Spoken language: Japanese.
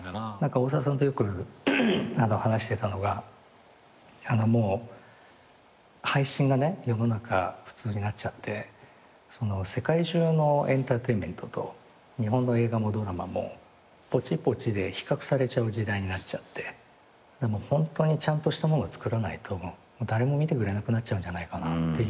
大沢さんとよく話してたのが配信がね世の中普通になっちゃって世界中のエンターテインメントと日本の映画もドラマもポチポチで比較されちゃう時代になっちゃってホントにちゃんとしたもの作らないと誰も見てくれなくなっちゃうんじゃないかなっていう。